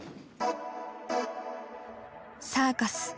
「サーカス」。